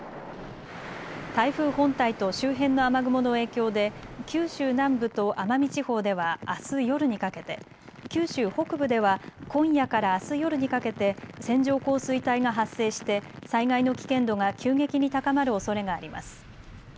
台風本体と周辺の雨雲の影響で九州南部と奄美地方ではあす夜にかけて、九州北部では今夜からあす夜にかけて線状降水帯が発生して災害の危険度が急激に高まるおそれがあります。